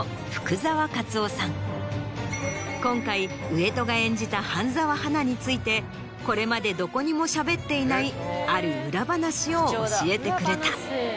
今回上戸が演じた半沢花についてこれまでどこにもしゃべっていないある裏話を教えてくれた。